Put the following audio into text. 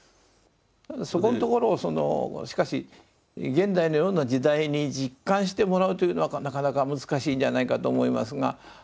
そこんところをそのしかし現代のような時代に実感してもらうというのはなかなか難しいんじゃないかと思いますが。